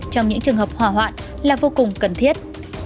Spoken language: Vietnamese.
trong những trường hợp hỏa hoạn là vô cùng cần thiết